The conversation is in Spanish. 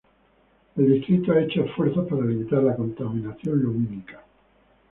El distrito ha hecho esfuerzos para limitar la contaminación lumínica.